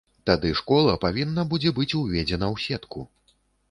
Тады школа павінна будзе быць уведзена ў сетку.